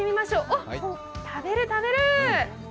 お、食べる、食べる。